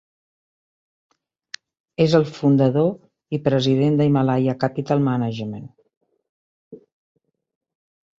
És el fundador i president de Himalaya Capital Management.